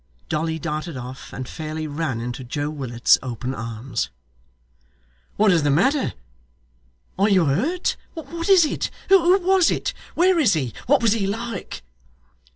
Dolly darted off, and fairly ran into Joe Willet's open arms. 'What is the matter? are you hurt? what was it? who was it? where is he? what was he like?